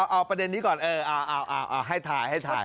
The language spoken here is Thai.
เอาประเด็นนี้ก่อนเออเอาให้ทายให้ทาย